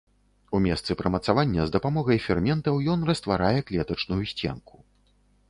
У месцы прымацавання з дапамогай ферментаў ён растварае клетачную сценку.